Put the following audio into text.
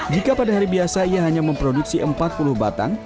jika pada hari biasa ia hanya memproduksi empat puluh batang